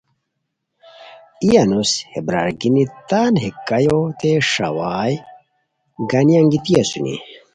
ای انوسو ہے برارگینی تان ہے کایوتے ݰاوائے گانی انگیتی اسونی